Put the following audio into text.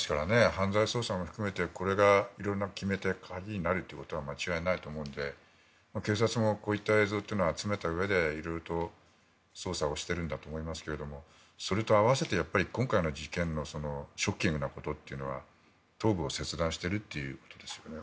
犯罪捜査も含めてこれが色んな決め手、鍵になることは間違いないと思うので、警察もこういった映像を集めたうえで色々と捜査をしているんだと思いますがそれと併せて、今回の事件のショッキングなことというのは頭部を切断しているということですね。